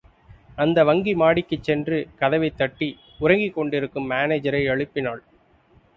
அந்த வங்கி மாடிக்குச் சென்று, கதவைத் தட்டி, உறங்கிக் கொண்டிருக்கும் மானேஜரை எழுப்பினாள்.